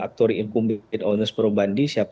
actori hukum befit onus probandi siapa